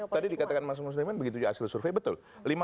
tadi dikatakan mas muslimin begitu hasil survei betul